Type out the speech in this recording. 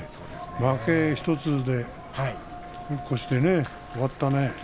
負け１つで終わったね。